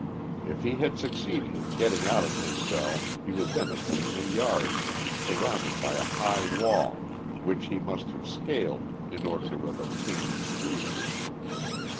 If lie had succeeded in getting out of his cell he would then have been in the yard, surrounded by a high wall, which he must have scaled in order to have obtained his freedom.